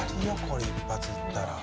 これ一発いったら。